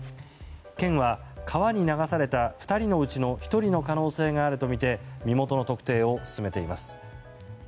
県は、川に流された２人のうちの１人の可能性があるとみて身元の特定を進めています。